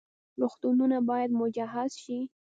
روغتونونه باید مجهز شي